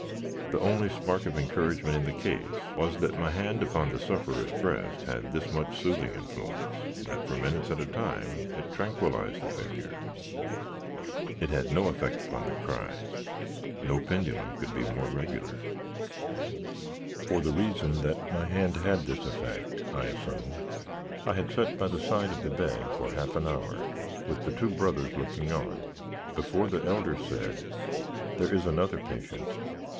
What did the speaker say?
The only spark of encouragement in the case, was, that my hand upon the sufferer's breast had this much soothing influence, that for minutes at a time it tranquillised the figure. It had no effect upon the cries; no pendulum could be more regular. "For the reason that my hand had this effect (I assume), I had sat by the side of the bed for half an hour, with the two brothers looking on, before the elder said: "'There is another patient.'